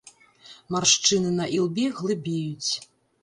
Маршчыны на ілбе глыбеюць.